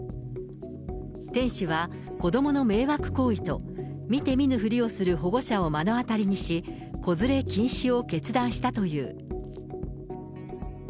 店主は子どもの迷惑行為と、見て見ぬふりをする保護者を目の当たりにし、子連れ禁止を決断したという。